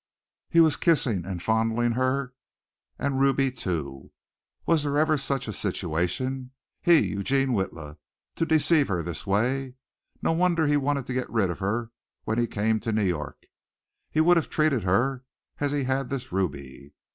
He was kissing and fondling her and Ruby too!! Was there ever such a situation? He, Eugene Witla, to deceive her this way. No wonder he wanted to get rid of her when he came to New York. He would have treated her as he had this Ruby.